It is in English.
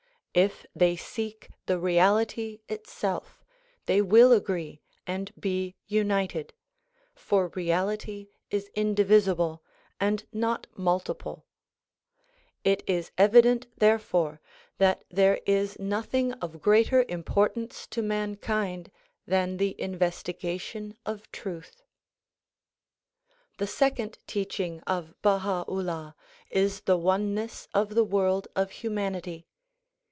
If they seek tlio reality itself they will agree and be united ; for reality is indivisil)le and not multiple. It is evident 60 THE PllOMULGATION OF UNIVERSAL PEACE therefore that there is nothing of greater importance to mankind than the investigation of truth. The second teaching of Baha 'Ullah is the oneness of the world of humanity.